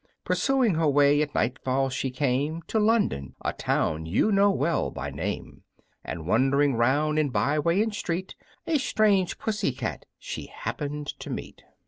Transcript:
Pursuing her way, at nightfall she came To London, a town you know well by name; And wandering 'round in byway and street, A strange Pussy cat she happened to meet.